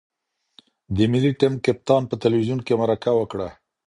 د ملي ټیم کپتان په تلویزیون کې مرکه وکړه.